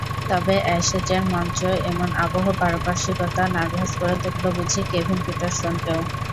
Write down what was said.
তবে অ্যাশেজের মঞ্চ, এমন আবহ-পারিপার্শ্বিকতা নার্ভাস করে তুলল বুঝি কেভিন পিটারসেনকেও।